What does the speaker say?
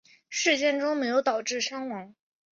事件中没有导致伤亡。